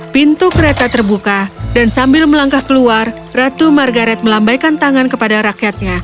pintu kereta terbuka dan sambil melangkah keluar ratu margaret melambaikan tangan kepada rakyatnya